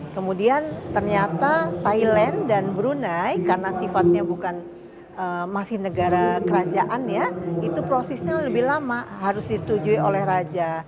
kemudian ternyata thailand dan brunei karena sifatnya bukan masih negara kerajaan ya itu prosesnya lebih lama harus disetujui oleh raja